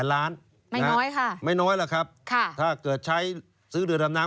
๓๐๐๐๐๐ล้านนะครับไม่น้อยล่ะครับถ้าเกิดใช้ซื้อหรือทำน้ำ